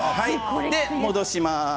これで戻します。